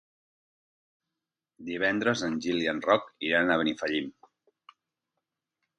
Divendres en Gil i en Roc iran a Benifallim.